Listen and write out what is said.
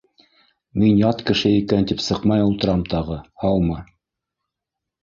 Мин ят кеше икән тип сыҡмай ултырам тағы, һаумы!